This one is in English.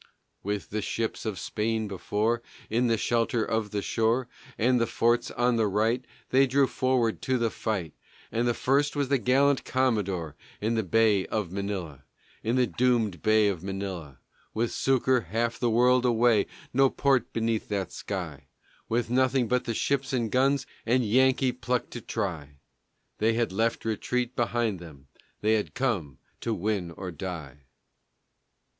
With the ships of Spain before In the shelter of the shore, And the forts on the right, They drew forward to the fight, And the first was the gallant Commodore In the bay of Manila, In the doomed bay of Manila With succor half the world away, No port beneath that sky, With nothing but their ships and guns And Yankee pluck to try, They had left retreat behind them, They had come to win or die!